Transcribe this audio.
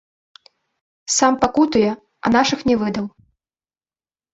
Сам пакутуе, а нашых не выдаў.